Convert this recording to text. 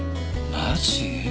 マジ？